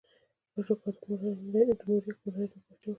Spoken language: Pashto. اشوکا د موریا کورنۍ لوی پاچا و.